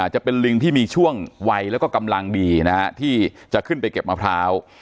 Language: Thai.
จะเป็นลิงที่มีช่วงวัยแล้วก็กำลังดีนะฮะที่จะขึ้นไปเก็บมะพร้าว